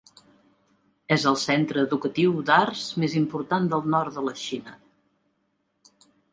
És el centre educatiu d'arts més important del nord de la Xina.